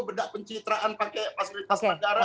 bedak pencitraan pakai pasir kas madara